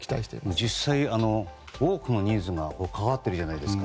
実際、多くの人数が関わっているじゃないですか。